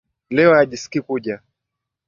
Leo hajiskii kuja.